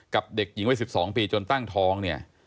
เด็กหญิงวัย๑๒ปีจนตั้งท้องเนี่ย